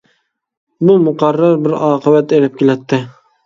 بۇ مۇقەررەر بىرەر ئاقىۋەت ئېلىپ كېلەتتى.